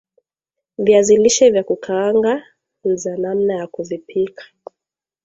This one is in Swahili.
Viazi lishe vya kukaanga nz namna ya kuvipika